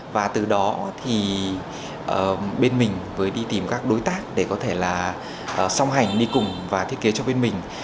và từ đó thì bên mình mới đi tìm các đối tác để có thể là song hành đi cùng và thiết kế cho bên mình